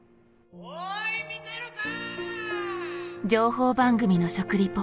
おい見てるか！